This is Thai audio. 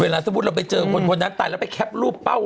เวลาสมมติเราไปเจอคนคนนั้นตายเราไปแคปท์รูปเต้า